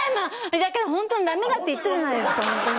だから本当にダメだって言ったじゃないですかホントに。